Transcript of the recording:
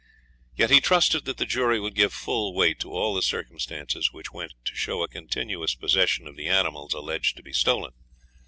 Yet he trusted that the jury would give full weight to all the circumstances which went to show a continuous possession of the animals alleged to be stolen.